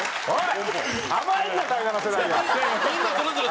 はい。